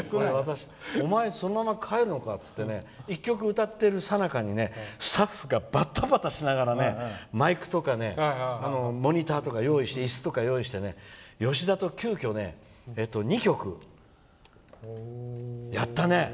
お前、そのまま帰るのか？って１曲歌っているさなかにスタッフがばたばたしながらマイクとかモニターとかいすとか用意して、吉田と急きょ２曲やったね。